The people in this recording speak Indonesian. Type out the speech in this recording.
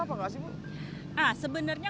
apa enggak sih ibu nah sebenarnya